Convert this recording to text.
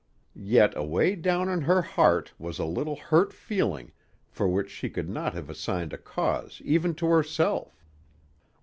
Yet away down in her heart was a little hurt feeling for which she could not have assigned a cause even to herself.